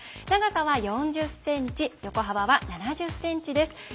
長さは４０ｃｍ横幅は７０ｃｍです。